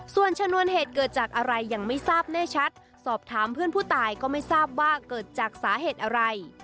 ส่วนชนวนเหตุเกิดจากอะไรยังไม่ทราบแน่ชัดสอบถามเพื่อนผู้ตายก็ไม่ทราบว่าเกิดจากสาเหตุอะไร